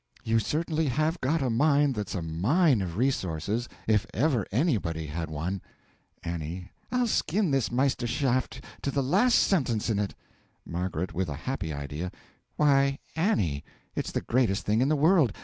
You certainly have got a mind that's a mine of resources, if ever anybody had one. A. I'll skin this Meisterschaft to the last sentence in it! M. (With a happy idea.) Why Annie, it's the greatest thing in the world.